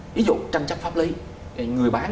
ví dụ tranh chấp pháp lý người bán